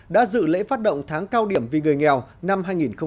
đã dự lễ phát động tháng cao điểm vì người nghèo năm hai nghìn một mươi sáu